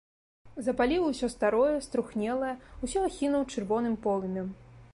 Запаліў усё старое, струхлелае, усё ахінуў чырвоным полымем.